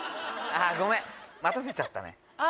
ああごめん待たせちゃったねああ